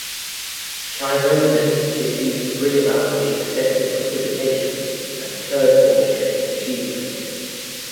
Chymosin is used to bring about the extensive precipitation and curd formation in cheese-making.